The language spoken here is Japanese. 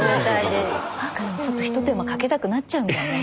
でもちょっと一手間かけたくなっちゃうんだろうな。